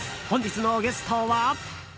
今日のゲストは。